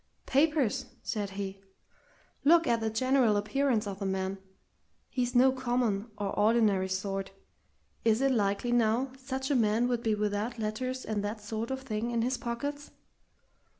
"Papers!" said he. "Look at the general appearance of the man! He's no common or ordinary sort. Is it likely, now, such a man would be without letters and that sort of thing in his pockets?